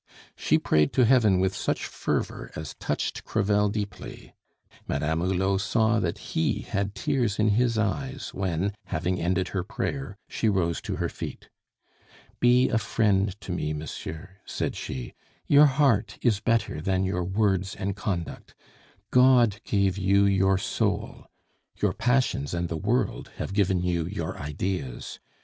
She prayed to Heaven with such fervor as touched Crevel deeply; Madame Hulot saw that he had tears in his eyes when, having ended her prayer, she rose to her feet. "Be a friend to me, monsieur," said she. "Your heart is better than your words and conduct. God gave you your soul; your passions and the world have given you your ideas.